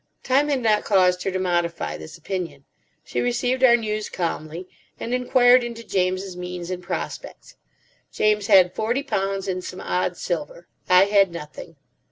Time had not caused her to modify this opinion. She received our news calmly, and inquired into James's means and prospects. James had forty pounds and some odd silver. I had nothing.